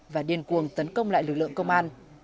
và điên cuồng tấn công lại lực lượng công an